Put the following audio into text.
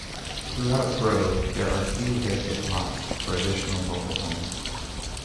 Throughout Grove, there are few vacant lots for additional mobile homes.